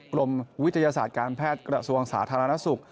กรมวิทยาศาสตร์การแพทย์กระทรวงสาธารณสุข